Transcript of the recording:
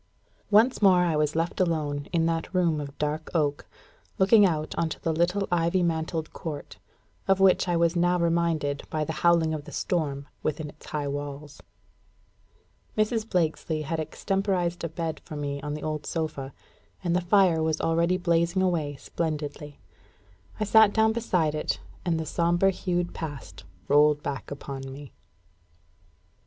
_ Once more I was left alone in that room of dark oak, looking out on the little ivy mantled court, of which I was now reminded by the howling of the storm within its high walls. Mrs. Blakesley had extemporised a bed for me on the old sofa; and the fire was already blazing away splendidly. I sat down beside it, and the sombre hued Past rolled back upon me.